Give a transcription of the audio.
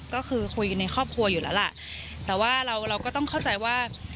ก็คือคุยกันในครอบครัวอยู่แล้วล่ะแต่ว่าเราเราก็ต้องเข้าใจว่า